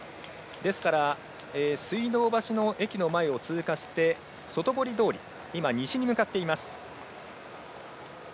ですから水道橋の駅の前を通過して外堀通り、西に向かっています。